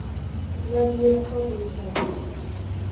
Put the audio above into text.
Qizlar bevafo bo'lishadi